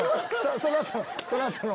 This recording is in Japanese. その後のその後の。